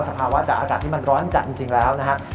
สภาวะจากอากาศที่มันร้อนจัดจริงแล้วนะครับ